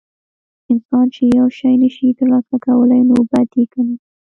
انسان چې یو شی نشي ترلاسه کولی نو بد یې ګڼي.